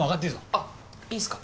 あっいいんですか？